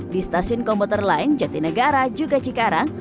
di stasiun komuter lain jatinegara juga cikarang